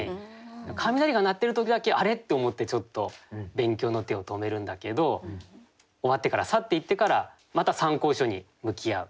雷が鳴ってる時だけ「あれ？」って思ってちょっと勉強の手を止めるんだけど終わってから去っていってからまた参考書に向き合う。